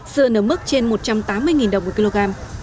xưa nở mức trên một trăm tám mươi đồng một kg